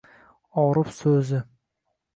Orif so’zi: